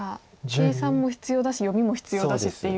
計算も必要だし読みも必要だしっていう。